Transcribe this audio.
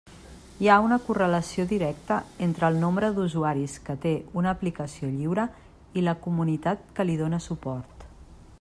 Hi ha una correlació directa entre el nombre d'usuaris que té una aplicació lliure i la comunitat que li dóna suport.